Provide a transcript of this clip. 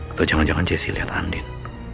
atau jangan jangan jesse liat andin